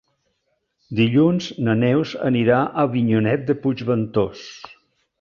Dilluns na Neus anirà a Avinyonet de Puigventós.